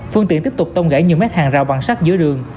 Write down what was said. phương tiện tiếp tục tông gãy nhiều mét hàng rào bằng sắt giữa đường